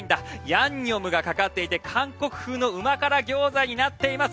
ヤンニョムがかかっていて韓国風の旨辛ギョーザになっています。